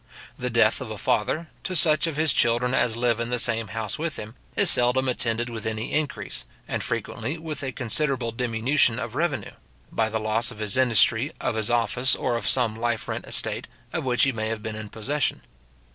The death of a father, to such of his children as live in the same house with him, is seldom attended with any increase, and frequently with a considerable diminution of revenue; by the loss of his industry, of his office, or of some life rent estate, of which he may have been in possession.